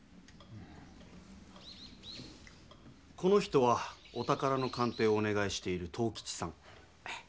この人はお宝の鑑定をおねがいしている藤吉さん。